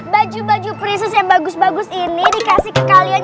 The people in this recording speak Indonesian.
baju baju presus yang bagus bagus ini dikasih ke kalian